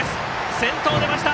先頭出ました。